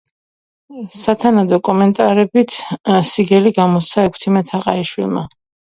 სათანადო კომენტარებით სიგელი გამოსცა ექვთიმე თაყაიშვილმა.